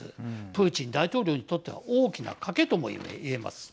プーチン大統領にとっては大きな賭けともいえます。